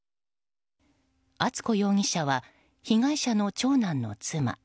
敦子容疑者は被害者の長男の妻。